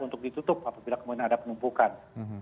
untuk ditutup apabila kemudian ada penumpukan